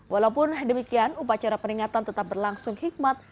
walaupun demikian upacara peringatan tetap berlangsung hikmat